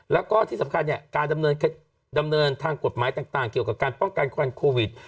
แล้วก็ที่สำคัญเนี่ยการดำเนินทางกฎหมายต่างเกี่ยวกับการป้องกันควันโควิด